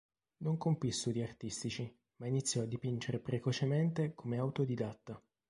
Non compì studi artistici, ma iniziò a dipingere precocemente come autodidatta.